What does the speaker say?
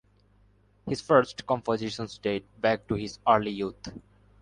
His first compositions date back to his early youth.